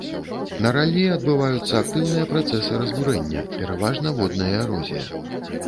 На раллі адбываюцца актыўныя працэсы разбурэння, пераважна водная эрозія.